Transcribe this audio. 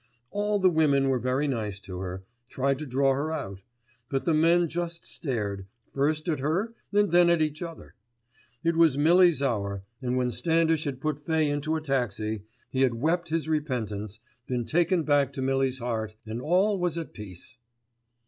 All the women were very nice to her, tried to draw her out; but the men just stared, first at her and then at each other. It was Millie's hour, and when Standish had put Fay into a taxi, he had wept his repentance, been taken back to Millie's heart, and all was at peace."